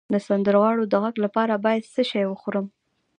د سندرغاړو د غږ لپاره باید څه شی وخورم؟